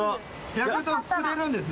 焼く膨れるんですね。